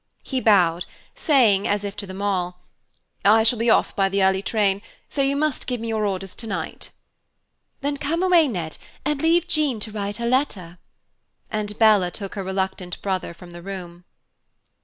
He bowed, saying, as if to them all, "I shall be off by the early train, so you must give me your orders tonight." "Then come away, Ned, and leave Jean to write her letter." And Bella took her reluctant brother from the room.